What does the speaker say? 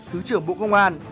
thứ trưởng bộ công an